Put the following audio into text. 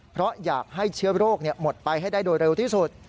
เพราะอยากให้เชื้อโรคหมดไปให้ได้โดยเร็วที่สุด